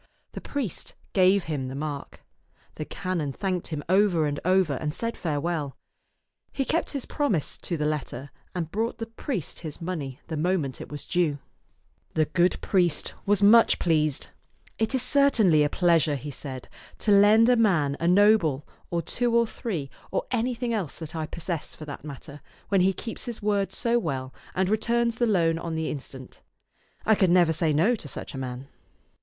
The priest gave him the mark. The canon thanked him over and over, and said farewell. He kept his promise to the letter, and brought the priest his money the moment it was due. 2o6 ^^t Canon's Vtoman'e 'tcdt The good priest was much pleased. " It is certainly a pleasure," he said, "to lend a man a noble, or two or three, or anything else that I possess, for that matter, when he keeps his word so well, and returns the loan on the instant. I could never say no to such a man."